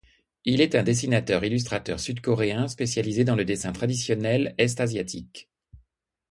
Il est un dessinateur illustrateur sud-coréen spécialisé dans le dessin traditionnel est-asiatique.